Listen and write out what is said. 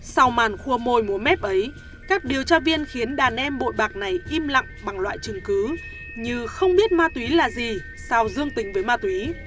sau màn khua môi múa mép ấy các điều tra viên khiến đàn em bội bạc này im lặng bằng loại chứng cứ như không biết ma túy là gì sao dương tính với ma túy